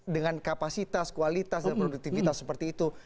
dengan kapasitas kualitas dan produktivitas seperti itu